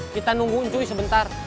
kita nunggu ncuy sebentar